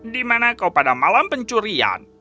di mana kau pada malam pencurian